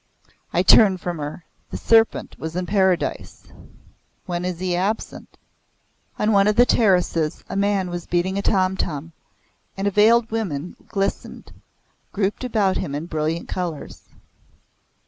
I turned from her. The serpent was in Paradise. When is he absent? On one of the terraces a man was beating a tom tom, and veiled women listened, grouped about him in brilliant colours.